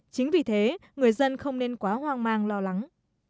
chính vì thế người dân không nên quá hoang mang lo lắng